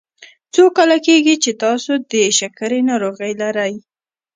څو کاله کیږي چې تاسو د شکرې ناروغي لری؟